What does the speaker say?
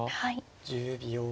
１０秒。